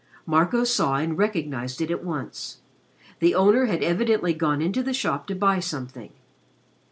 Marco saw and recognized it at once. The owner had evidently gone into the shop to buy something.